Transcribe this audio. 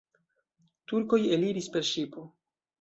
Turkoj eliris per ŝipo.